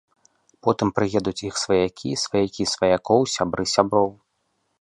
Потым прыедуць іх сваякі, сваякі сваякоў, сябры сяброў.